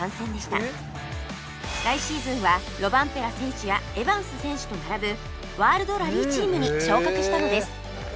来シーズンはロバンペラ選手やエバンス選手と並ぶワールドラリーチームに昇格したのです